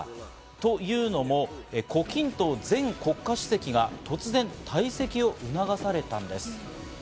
というのも、コ・キントウ前国家主席が突然、退席を促されたのです。